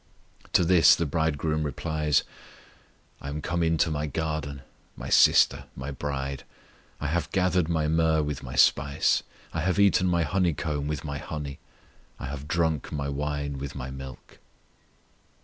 To this the Bridegroom replies: I am come into My garden, My sister, My bride: I have gathered My myrrh with My spice; I have eaten My honeycomb with My honey; I have drunk My wine with My milk.